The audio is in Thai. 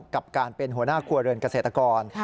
กับการเป็นหัวหน้าครัวเรือนเกษตรกร